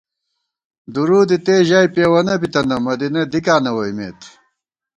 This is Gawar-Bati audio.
دُرود اِتے ژَئی پېوَنہ بِتنہ ، مدینہ دِکاں نہ ووئیمېت